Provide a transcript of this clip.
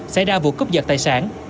xảy ra vụ cướp giật tài sản